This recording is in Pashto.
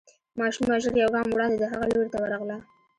ماشومه ژر يو ګام وړاندې د هغه لوري ته ورغله.